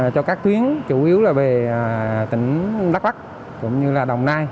cho các chuyến chủ yếu là về tỉnh đắk bắc cũng như là đồng nai